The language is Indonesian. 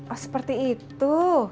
oh seperti itu